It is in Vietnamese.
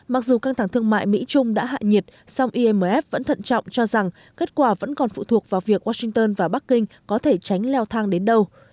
mặc dù căng thẳng thương mại mỹ trung đã hạ nhiệt song imf vẫn thận trọng cho rằng kết quả vẫn còn phụ thuộc vào việc washington và bắc kinh có thể tránh leo thang đến đâu